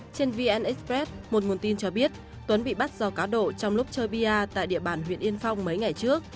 trên vn express một nguồn tin cho biết tuấn bị bắt do cá độ trong lúc chơi bia tại địa bàn huyện yên phong mấy ngày trước